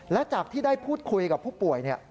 และจากที่ได้พูดคุยกับผู้ป่วย